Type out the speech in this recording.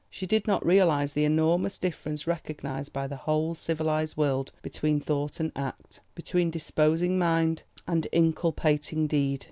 She did not realise the enormous difference recognised by the whole civilised world between thought and act, between disposing mind and inculpating deed.